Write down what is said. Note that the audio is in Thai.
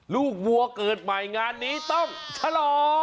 ลูกวัวเกิดใหม่งานนี้ต้องทรมาน